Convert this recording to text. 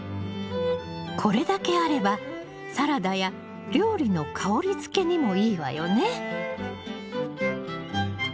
これだけあればサラダや料理の香りづけにもいいわよね。